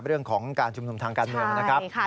เรื่องของการชุมนุมทางการเมืองนะครับ